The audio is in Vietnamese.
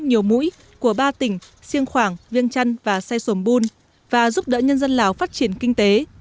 nhiều mũi của ba tỉnh siêng khoảng viêng trăn và sài sổm bùn và giúp đỡ nhân dân lào phát triển kinh tế